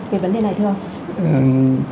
về vấn đề này thưa ông